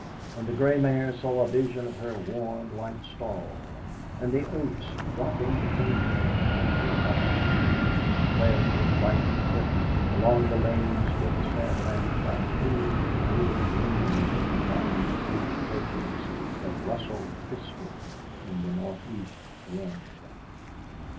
And the grey mare saw a vision of her warm light stall, and the oats dropping between her manger bars, and fled with light hoofs along the lanes where the side lamps shot two moving gleams over dark beech hedges that rustled crisply in the northeast wind.